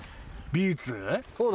ビーツ？